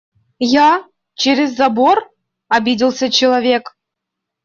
Я?.. Через забор?.. – обиделся человек.